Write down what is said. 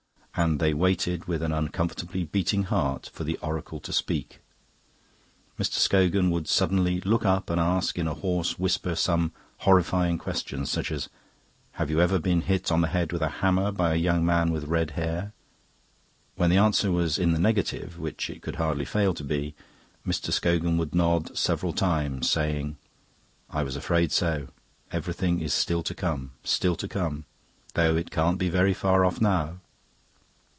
And they waited, with an uncomfortably beating heart, for the oracle to speak. After a long and silent inspection, Mr. Scogan would suddenly look up and ask, in a hoarse whisper, some horrifying question, such as, "Have you ever been hit on the head with a hammer by a young man with red hair?" When the answer was in the negative, which it could hardly fail to be, Mr. Scogan would nod several times, saying, "I was afraid so. Everything is still to come, still to come, though it can't be very far off now."